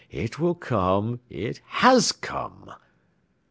it will come! it has come!"